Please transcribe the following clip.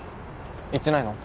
言ってないの？